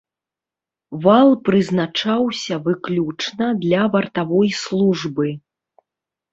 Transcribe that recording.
Вал прызначаўся выключна для вартавой службы.